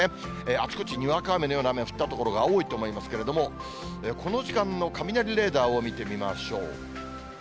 あちこちにわか雨のような雨が降った所が多いと思いますけれども、この時間の雷レーダーを見てみましょう。